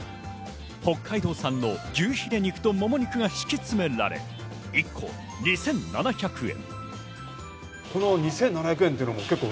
北海道産の牛ヒレ肉ともも肉が敷き詰められ、１個２７００円。